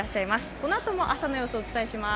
このあとも朝の様子をお伝えします。